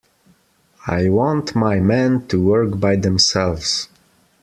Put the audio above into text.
I want my men to work by themselves.